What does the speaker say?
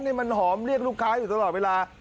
นี่มันหอมเรียกลูกค้าอยู่ตลอดเวลา